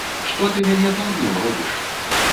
Што ты мяне дурнем робіш?!